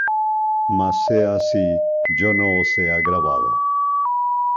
Mas sea así, yo no os he agravado: